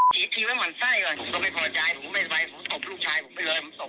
ทีทีว่ามันไส้อ่ะผมก็ไม่พอใจผมไม่สบายผมตกลูกชายผมไปเลย